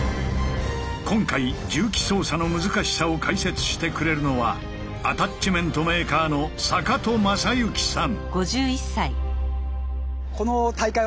今回重機操作の難しさを解説してくれるのはアタッチメントメーカーの坂戸正幸さん。